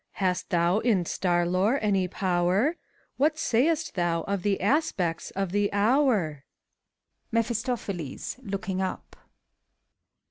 Hast thou in star lore any power f What say'st thou of the aspects of the hourf MEPHISTOPHELES {looking up).